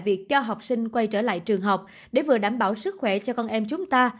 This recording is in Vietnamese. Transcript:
việc cho học sinh quay trở lại trường học để vừa đảm bảo sức khỏe cho con em chúng ta